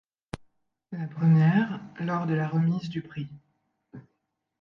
La première, lors de la remise du prix.